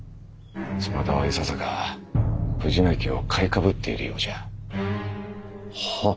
そなたはいささか藤巻を買いかぶっているようじゃ。は？